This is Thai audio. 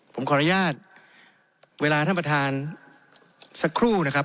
ผมขออนุญาตเวลาท่านประธานสักครู่นะครับ